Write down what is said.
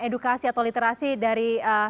edukasi atau literasi dari